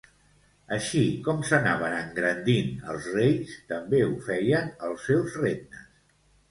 Així com s'anaven engrandint els reis, també ho feien els seus regnes.